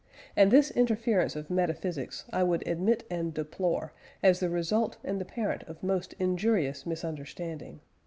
And this interference of metaphysics I would admit and deplore, as the result and the parent of most injurious misunderstanding....